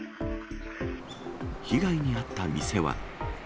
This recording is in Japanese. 被害に遭った店は。